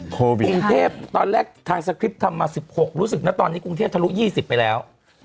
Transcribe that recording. โควิดกรุงเทพตอนแรกทางสคริปต์ทำมา๑๖รู้สึกนะตอนนี้กรุงเทพทะลุ๒๐ไปแล้ว